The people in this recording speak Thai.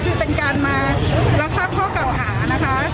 ก็คือเป็นการมารักษาก้อเก่าหานะคะ